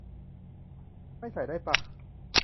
ไม่ใส่ได้ป๊ะ